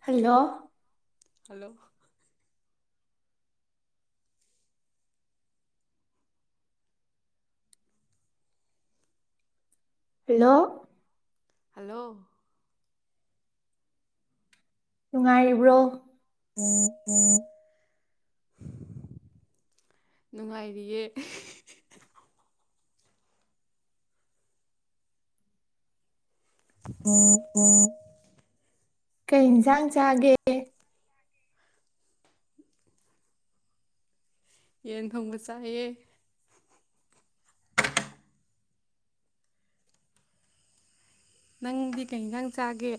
Hello hello hello hello ꯅꯨꯡꯉꯥꯏꯔꯤꯕ꯭ꯔꯣ ꯎꯝ ꯎꯝ ꯅꯨꯡꯉꯥꯏꯔꯤꯌꯦ ꯑꯣ ꯑꯣ ꯀꯩ ꯏꯟꯁꯥꯡ ꯆꯥꯒꯦ꯫ ꯌꯦꯟ ꯊꯣꯡꯕ ꯆꯥꯏꯑ꯫ ꯅꯪꯗꯤ ꯀꯩꯒ ꯆꯥꯒꯦ꯫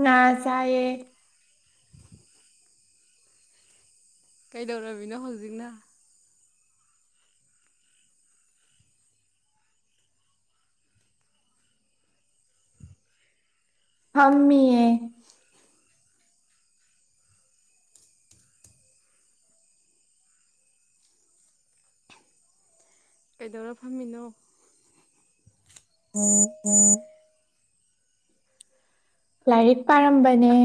ꯉ ꯆꯑꯌꯦ꯫ ꯀꯩꯗꯧꯔꯃꯤꯅꯣ ꯍꯧꯖꯤꯛꯅ ꯊꯝꯃꯌꯦ꯫ ꯀꯩꯗꯧꯔ ꯐꯝꯃꯤꯅꯣ꯫ [inaudible] ꯂꯥꯏꯔꯤꯛ ꯄꯥꯔꯝꯕꯅꯦ꯫ ꯑ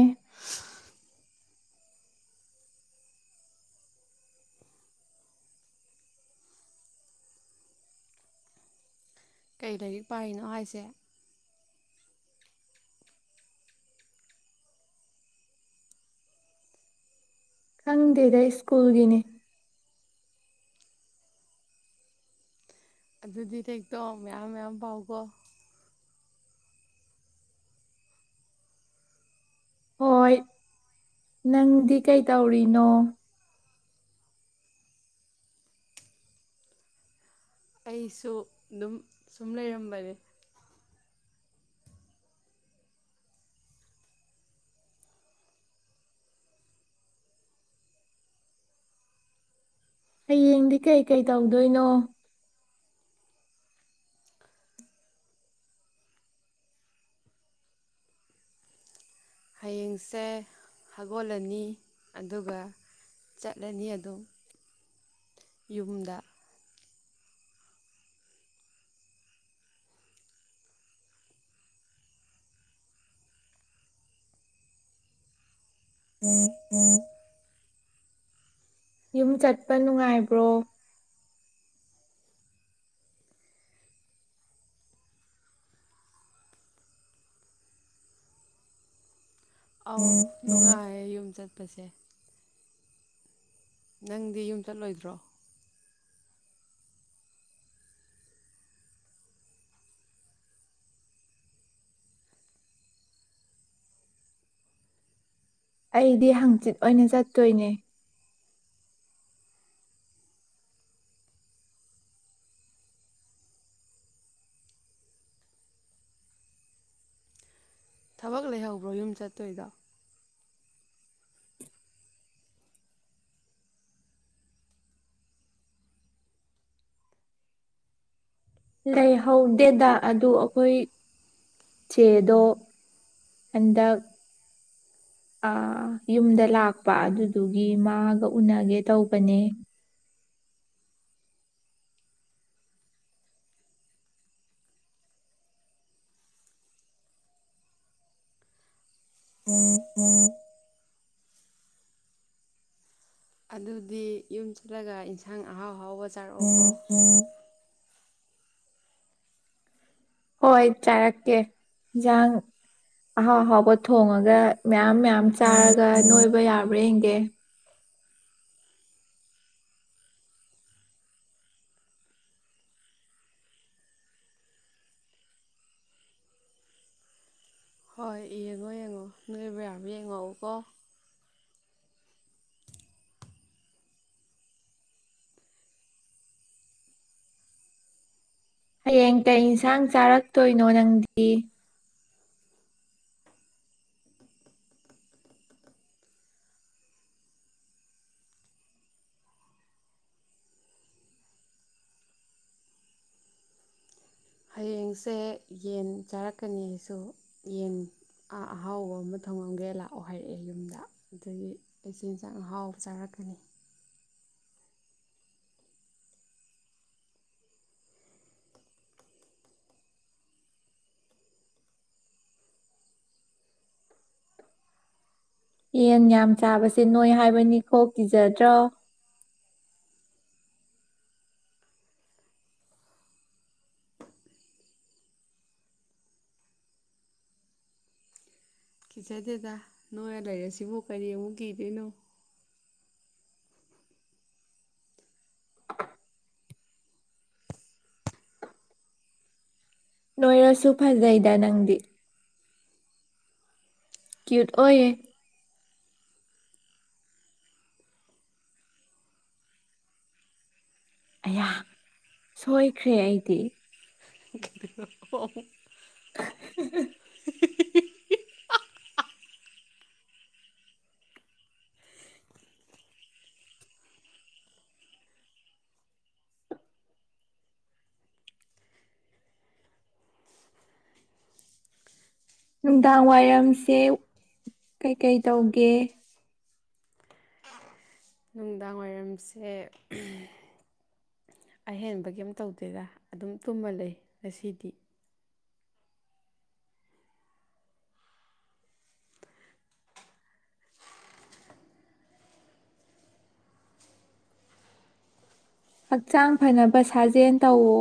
ꯀꯔꯤ ꯂꯥꯏꯔꯤꯛ ꯄꯥꯔꯤꯅꯣ ꯍꯥꯏꯁꯦ꯫ ꯈꯪꯗꯦꯗ ꯁ꯭ꯀꯨꯜꯒꯤꯅꯤ꯫ ꯑꯗꯨꯗꯤ ꯍꯦꯛꯇꯣ ꯃꯌꯥꯝ ꯃꯌꯥꯝ ꯄꯥꯎꯀꯣ ꯍꯣꯏ ꯅꯪꯗꯤ ꯀꯩꯇꯧꯔꯤꯅꯣ ꯑꯩꯁꯨ ꯑꯗꯨꯝ ꯁꯨꯝ ꯂꯩꯔꯝꯕꯅꯦ꯫ ꯍꯌꯦꯡꯗꯤ ꯀꯩꯀꯩ ꯇꯧꯗꯣꯏꯅꯣ ꯍꯌꯦꯡꯁꯦ ꯍꯧꯒꯣꯜꯂꯅꯤ ꯑꯗꯨꯒ ꯆꯠꯂꯅꯤ ꯑꯗꯨꯝ ꯌꯨꯝꯗ꯫ [inaudible] ꯌꯨꯝ ꯆꯠꯄ ꯅꯨꯡꯉꯥꯏꯕ꯭ꯔꯣ ꯑ ꯅꯨꯡꯉꯥꯏꯌꯦꯦ ꯌꯨꯝ ꯆꯠꯄꯁꯦ꯫ ꯅꯪꯗꯤ ꯌꯨꯝ ꯆꯠꯂꯣꯏꯗ꯭ꯔꯣ? ꯑꯩꯗꯤ ꯍꯥꯡꯆꯤꯠ ꯑꯣꯏꯅ ꯆꯠꯇꯣꯏꯅꯦ꯫ ꯊꯕꯛ ꯂꯩꯍꯧꯕ꯭ꯔꯣ ꯌꯨꯝ ꯆꯠꯇꯣꯏꯗꯣ ꯂꯩꯍꯧꯗꯦꯗ ꯑꯗꯨ ꯑꯩꯈꯣꯏ ꯆꯦꯗꯣ ꯍꯟꯗꯛ ꯑ ꯌꯨꯝꯗ ꯂꯥꯛꯄ ꯑꯗꯨꯗꯨꯒꯤ ꯃꯥꯒ ꯎꯅꯒꯦ ꯇꯧꯕꯅꯦ꯫ [inaudible] ꯑꯗꯨꯗꯤ ꯌꯨꯝ ꯆꯠꯂꯒ ꯏꯟꯁꯥꯡ ꯑꯍꯥꯎ ꯑꯍꯥꯎꯕ ꯆꯥꯔꯛꯑꯣ ꯍꯣꯏ ꯆꯥꯔꯛꯀꯦ ꯌꯦꯟꯖꯥꯡ ꯑꯍꯥꯎ ꯑꯍꯥꯎꯕ ꯊꯣꯡꯉꯒ ꯃꯌꯥꯝ ꯃꯌꯥꯝ ꯆꯥꯔꯒ ꯅꯣꯏꯕ ꯌꯥꯕ꯭ꯔꯥ ꯌꯦꯡꯒꯦ꯫ ꯍꯣꯏ ꯌꯦꯡꯉꯣ ꯌꯦꯡꯉꯣ ꯅꯣꯏꯕꯨ ꯌꯥꯕ ꯌꯦꯡꯉꯛꯎꯀꯣ ꯍꯌꯦꯡ ꯀ ꯏꯟꯁꯥꯡ ꯆꯥꯔꯛꯇꯣꯏꯅꯣ ꯅꯪꯗꯤ ꯍꯌꯦꯡꯁꯦ ꯌꯦꯟ ꯆꯥꯔꯛꯀꯅꯤ ꯑꯩꯁꯨ ꯌꯦꯟ ꯑꯥ ꯑꯍꯥꯎꯕ ꯑꯃ ꯊꯣꯡꯉꯝꯒꯦ ꯂꯥꯛꯑꯣ ꯍꯥꯏꯔꯛꯑꯦ ꯌꯨꯝꯗ ꯑꯗꯒꯤ ꯑꯩꯆꯤꯟꯖꯥꯛꯍꯥꯎꯕ ꯆꯥꯔꯛꯀꯅꯤ꯫ ꯌꯦꯟ ꯌꯥꯝ ꯆꯥꯕꯁꯦ ꯅꯣꯏ ꯍꯥꯏꯕꯅꯤ ꯈꯣꯛ ꯀꯤꯖꯗ꯭ꯔꯣ ꯀꯤꯆꯗꯦꯗ ꯅꯣꯏ ꯂꯩꯔꯁꯤꯕꯨ ꯀꯔꯤ ꯑꯃꯨꯛ ꯀꯤꯗꯣꯏꯅꯣ ꯅꯣꯏꯔꯁꯨ ꯐꯖꯩꯗ ꯅꯪꯗꯤ꯫ ꯀ꯭ꯌꯨꯠ ꯑꯣꯏꯔꯦ꯫ ꯑꯌꯥ ꯁꯣꯏꯈ꯭ꯔꯦ ꯑꯩꯗꯤ [inaudible] ꯑꯣꯍꯣ ꯑꯣꯍꯣ [unintelligible] ꯅꯨꯡꯗꯥꯡ ꯋꯥꯏꯔꯝꯁꯦ ꯀꯩꯀꯩ ꯇꯧꯒꯦ꯫ ꯅꯨꯡꯗꯥꯡ ꯋꯥꯏꯔꯝꯁꯦ꯫ ꯑꯍꯦꯟꯕ ꯀꯩꯝ ꯇꯧꯗꯦꯔ ꯑꯗꯨꯝ ꯇꯨꯝꯃꯜ ꯂꯩ ꯉꯁꯤꯗꯤ꯫ ꯍꯛꯆꯥꯡ ꯐꯅꯕ ꯁꯥꯖꯦꯜ ꯇꯧꯋ꯫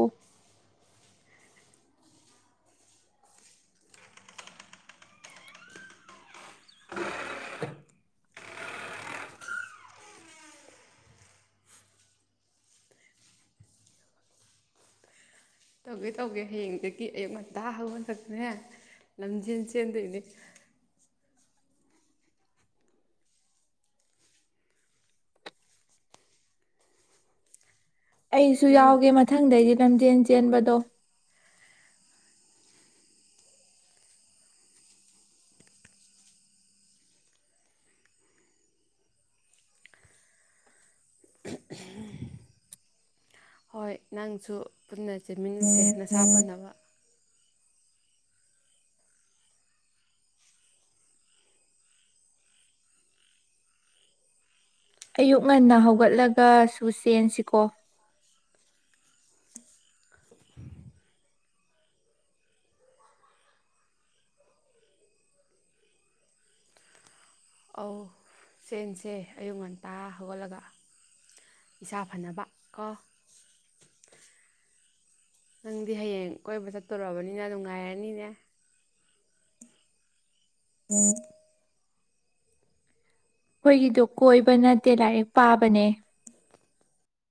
[unintelligible] ꯇꯧꯒꯦ ꯇꯧꯒꯦ ꯍꯌꯦꯡꯗꯒꯤ ꯑꯌꯨ ꯉꯟꯇꯥ ꯍꯧꯒꯟꯂꯄꯅꯦ ꯂꯝꯖꯦꯟ ꯆꯦꯟꯗꯣꯏꯅꯦ꯫ ꯑꯩꯁꯨ ꯅꯪ ꯌꯥꯎꯒꯦ ꯃꯊꯪꯗꯩꯗꯤ ꯂꯝꯖꯦꯟ ꯆꯦꯟꯕꯗꯣ ꯍꯣꯏ ꯅꯪꯁꯨ ꯄꯨꯟꯅ ꯆꯦꯟꯃꯤꯟꯅꯁꯦ ꯅꯁꯥ ꯐꯅꯕ꯫ ꯑꯌꯨꯛ ꯉꯟꯅ ꯍꯧꯒꯠꯂꯒꯁꯨ ꯆꯦꯟꯁꯤꯀꯣ꯫ ꯑꯧ ꯆꯦꯟꯁꯦ ꯑꯌꯨꯛ ꯉꯟꯇꯥ ꯍꯧꯒꯠꯂꯒ꯫ ꯏꯁꯥ ꯐꯅꯕ ꯀꯣ꯫ ꯅꯪꯗꯤ ꯍꯌꯦꯡ ꯀꯣꯏꯕ ꯆꯠꯇꯣꯔꯕꯅꯤꯅ ꯅꯨꯡ ꯉꯥꯏꯔꯅꯤꯅꯦ꯫ [unintelligible] ꯑꯩꯈꯣꯏꯒꯤꯗꯣ ꯀꯣꯏꯕ ꯅꯠꯇꯦ ꯂꯥꯏꯔꯤꯛ ꯄꯥꯕꯅꯦ꯫